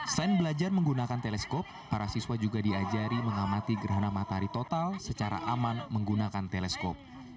selain belajar menggunakan teleskop para siswa juga diajari mengamati gerhana matahari total secara aman menggunakan teleskop